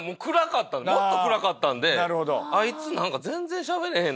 もっと暗かったんで「あいつ全然しゃべれへん」。